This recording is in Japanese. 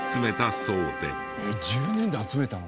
１０年で集めたの？